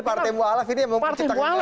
partai mualaf ini yang memperciptakan yang kedua